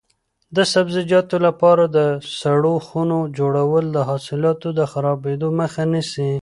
د سبزیجاتو لپاره د سړو خونو جوړول د حاصلاتو د خرابېدو مخه نیسي.